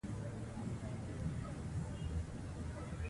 موږ باید دا حق ادا کړو.